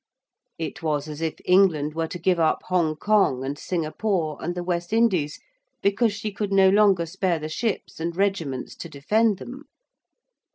It was as if England were to give up Hong Kong and Singapore and the West Indies because she could no longer spare the ships and regiments to defend them.